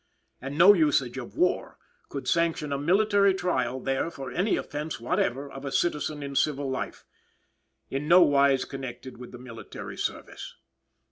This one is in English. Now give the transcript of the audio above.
And no usage of war could sanction a military trial there for any offence whatever of a citizen in civil life, in nowise connected with the military service.